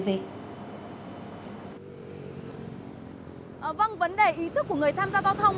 vâng vấn đề ý thức của người tham gia giao thông